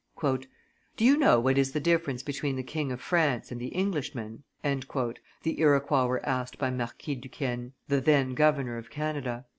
"Do you know what is the difference between the King of France and the Englishman?" the Iroquois was asked by Marquis Duquesne, the then governor of Canada.